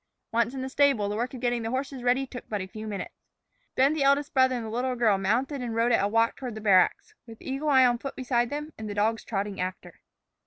Once in the stable, the work of getting the horses ready took but a few moments. Then the eldest brother and the little girl mounted and rode at a walk toward the barracks, with Eagle Eye on foot beside them and the dogs trotting after.